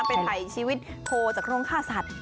เป็นถ่ายชีวิตโภจากกำลังฆ่าสัตว์